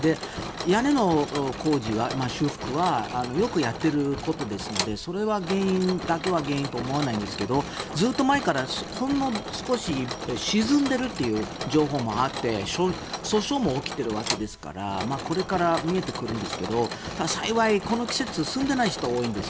屋根の工事、修復はよくやっていることですのでそれだけが原因とは思わないんですがずっと前からほんの少し沈んでるという情報もあって訴訟も起きているわけですからこれから見えてくるんですけど幸い、この季節住んでいない人が多いんです。